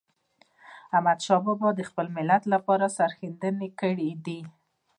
احمدشاه بابا د خپل ملت لپاره سرښندنه کړې ده.